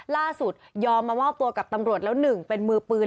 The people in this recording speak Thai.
ล่าสุดยอมมามอบตัวกับตำรวจแล้ว๑เป็นมือปืน